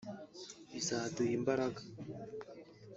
bizaduha imbaraga